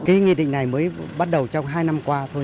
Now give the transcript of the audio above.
cái nghị định này mới bắt đầu trong hai năm qua thôi